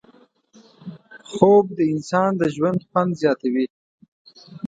خوب د انسان د ژوند خوند زیاتوي